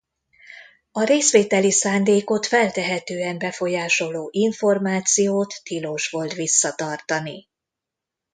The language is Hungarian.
A részvételi szándékot feltehetően befolyásoló információt tilos visszatartani.